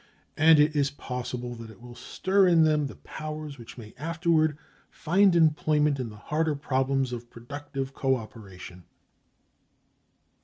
And it is possible that it will stir in them the powers which may afterward find employment in the harder problems of productive co operation.